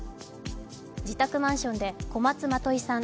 自宅マンションで小松まといさん